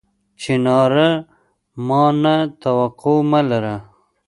چناره! ما نه توقع مه لره